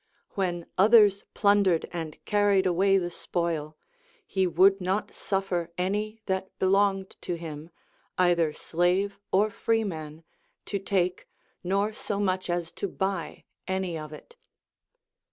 When others plundered and carried away the spoil, he would not suffer any that belonged to him, either slave or freeman, to take, nor so much as to buy any of it.